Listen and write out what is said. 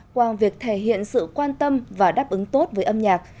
qua việc thể hiện sự quan tâm và đáp ứng tốt với âm nhạc